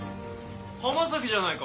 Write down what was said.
浜崎じゃないか。